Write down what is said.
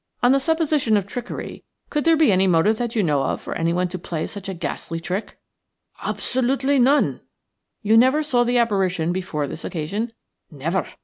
"On the supposition of trickery, could there be any motive that you know of for anyone to play such a ghastly trick?" "Absolutely none." "You never saw the apparition before this occasion?" "Never."